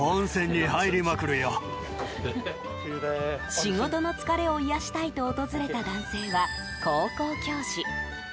仕事の疲れを癒やしたいと訪れた男性は高校教師。